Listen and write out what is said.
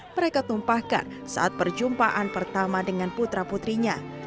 mereka tumpahkan saat perjumpaan pertama dengan putra putrinya